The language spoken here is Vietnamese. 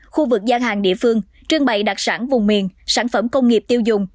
khu vực gian hàng địa phương trưng bày đặc sản vùng miền sản phẩm công nghiệp tiêu dùng